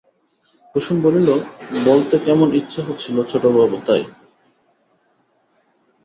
কুসুম বলিল, বলতে কেমন ইচ্ছে হচ্ছিল ছোটবাবু, তাই।